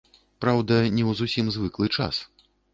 Праўда, не ў зусім звыклы час.